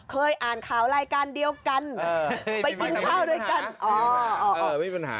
เคยอ่านข่าวรายการเดียวกันไปกินข้าวด้วยกัน